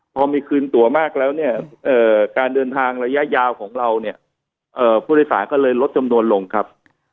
พอมีคืนตัวมากแล้วเนี่ยการเดินทางระยะยาวของเราเนี่ยผู้โดยสารก็เลยลดจำนวนลงครับ